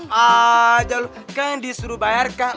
engak aja lo kan disuruh bayar kak